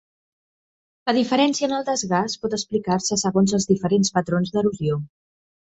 La diferència en el desgast pot explicar-se segons els diferents patrons d'erosió.